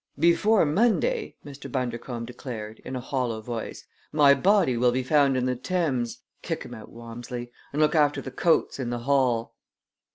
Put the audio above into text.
"Before Monday," Mr. Bundercombe declared, in a hollow voice, "my body will be found in the Thames. Kick 'em out, Walmsley, and look after the coats in the hall!"